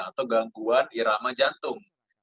atau gangguan irama jantung